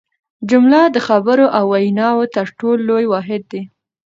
جمله د خبرو او ویناوو تر ټولو لوی واحد دئ.